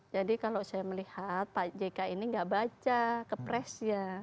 jadi kalau saya melihat pak jk ini tidak baca ke pres ya